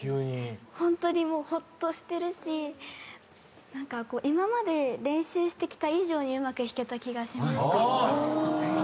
ホントにホッとしてるし今まで練習してきた以上にうまく弾けた気がしました。